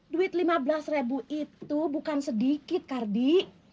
duit lima belas ribu itu bukan sedikit kardi